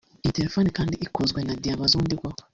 Iyi telefoni kandi ikozwe na diamant z’ubundi bwoko